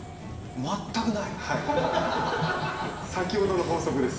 先ほどの法則です。